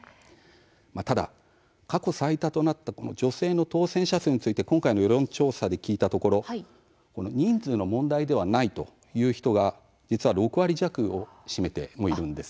ただ過去最多となった女性の当選者数について今回の世論調査で聞いたところ人数の問題ではないという人が実は６割弱を占めてもいるんです。